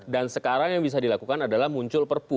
dan sekarang yang bisa dilakukan adalah muncul perpu